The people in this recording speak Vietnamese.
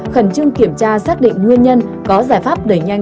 khẩn trương kiểm tra xác định nguyên nhân có giải pháp đẩy nhanh